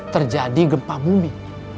terjadi gempa bumi